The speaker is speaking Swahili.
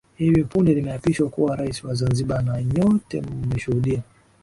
hivi punde nimeapishwa kuwa rais wa zanzibar na nyote mmeshuhudia